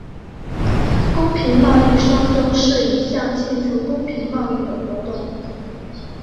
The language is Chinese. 公平贸易双周是一项庆祝公平贸易的活动。